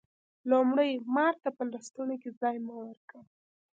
لومړی: مار ته په لستوڼي کی ځای مه ورکوه